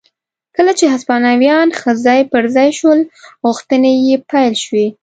کله چې هسپانویان ښه ځای پر ځای شول غوښتنې یې پیل شوې.